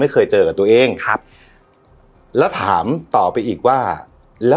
เคยเจอกับตัวเองครับแล้วถามต่อไปอีกว่าแล้ว